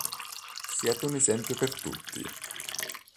Siete un esempio per tutti.